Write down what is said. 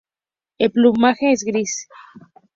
El plumaje es gris.